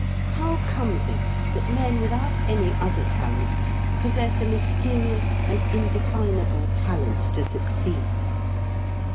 How comes it that men without any other talent possess a mysterious and indefinable talent to succeed?